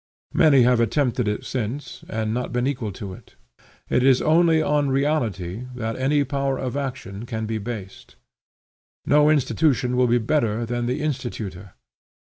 Many have attempted it since, and not been equal to it. It is only on reality that any power of action can be based. No institution will be better than the institutor.